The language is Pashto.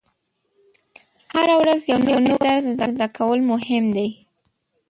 هره ورځ یو نوی درس زده کول مهم دي.